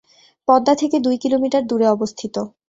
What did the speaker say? পদ্মা থেকে দুই কিলোমিটার দূরে অবস্থিত।